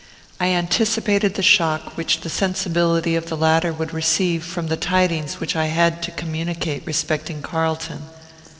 I anticipated the shock which the sensibility of the latter would receive from the tidings which I had to communicate respecting Carlton.